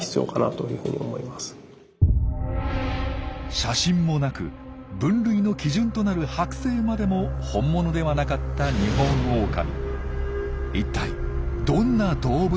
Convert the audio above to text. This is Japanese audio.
写真も無く分類の基準となるはく製までも本物ではなかったニホンオオカミ。